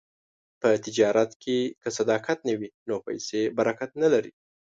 په تجارت کې که صداقت نه وي، نو پیسې برکت نه لري.